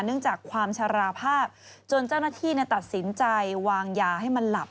จากความชราภาพจนเจ้าหน้าที่ตัดสินใจวางยาให้มันหลับ